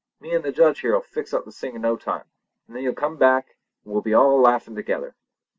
Me and the Judge here'll fix up this thing in no time, an' then you'll come back, an' we'll all laugh together!"